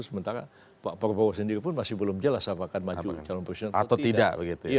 sementara pak prabowo sendiri pun masih belum jelas apakah maju calon presiden atau tidak begitu ya